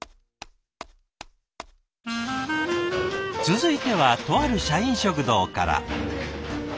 続いてはとある社員食堂から。